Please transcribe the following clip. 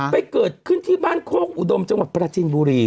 เกิดขึ้นที่บ้านโคกอุดมจังหวัดปราจินบุรี